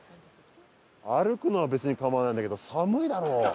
歩くのは別に構わないんだけど寒いだろ！